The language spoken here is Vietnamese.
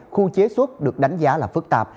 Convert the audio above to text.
khu chế xuất được đánh giá là phức tạp